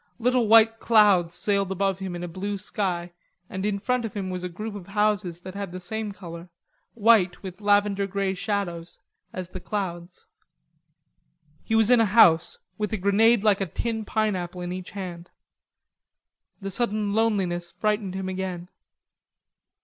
Little white clouds sailed above him in a blue sky, and in front of him was a group of houses that had the same color, white with lavender grey shadows, as the clouds. He was in a house, with a grenade like a tin pineapple in each hand. The sudden loneliness frightened him again.